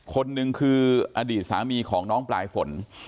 คนหนึ่งคืออดีตสามีของน้องปลายฝน